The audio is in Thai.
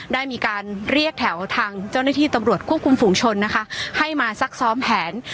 ได้มีการเรียกแถวทางเจ้าหน้าที่ตำรวจควบคุมฝูงชนนะคะให้มาซักซ้อมแผน